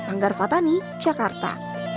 anggar fathani jakarta